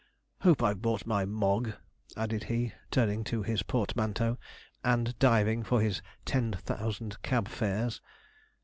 Hope I've brought my Mogg,' added he, turning to his portmanteau, and diving for his Ten Thousand Cab Fares.